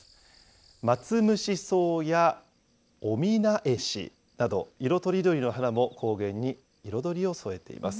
マツムシソウやオミナエシなど、色とりどりの花も高原に彩りを添えています。